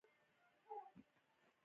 بوتل د اوبو د زېرمه کولو لپاره اړین دی.